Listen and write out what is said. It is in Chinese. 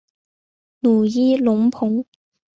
努伊隆蓬。